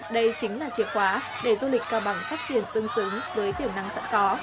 đây chính là chìa khóa để du lịch cao bằng phát triển tương xứng với tiềm năng sẵn có